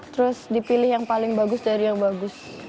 terus dipilih yang paling bagus dari yang bagus